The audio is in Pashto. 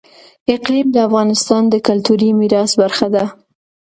اقلیم د افغانستان د کلتوري میراث برخه ده.